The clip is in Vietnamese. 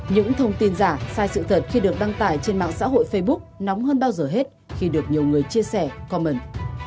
những thông tin giả sai sự thật khi được đăng tải trên mạng xã hội facebook nóng hơn bao giờ hết khi được nhiều người chia sẻ commen